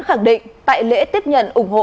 khẳng định tại lễ tiếp nhận ủng hộ